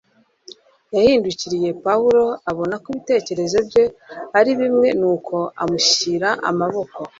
Yahindukiriye Paul, abona ko ibitekerezo bye ari bimwe, nuko amushyira amaboko.